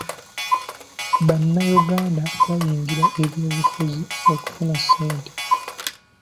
Bannayuganda bayingira eby'obufuzi okufuna ssente.